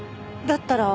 だったら。